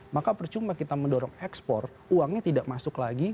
maka percuma kita mendorong ekspor uangnya tidak masuk lagi